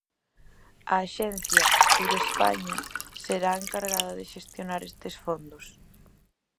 A axencia Turespaña será a encargada de xestionar estes fondos.